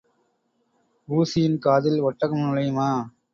ஊசியின் காதில் ஒட்டகம் நுழையுமா?